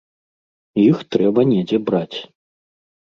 Іх трэба недзе браць.